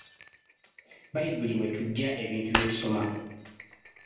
Bbayibuli mwe tujja ebintu bye tusoma.